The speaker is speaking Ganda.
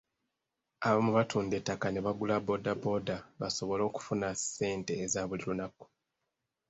Abamu batunda ettaka ne bagula bbooda booda basobole okufunayo ssente eza buli lunaku.